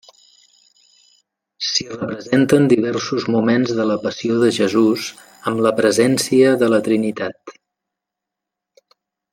S'hi representen diversos moments de la Passió de Jesús, amb la presència de la Trinitat.